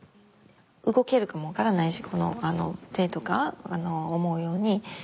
動けるかも分からないしこの手とか思うように。